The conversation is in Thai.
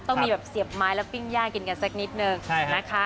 ต้องมีแบบเสียบไม้แล้วปิ้งย่างกินกันสักนิดนึงนะคะ